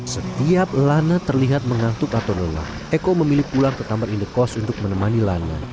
setiap lana terlihat mengantuk atau lelah eko memilih pulang ke kamar indekos untuk menemani lana